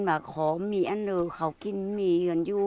bà ấy ăn gần hầu thì khó diện hơn khó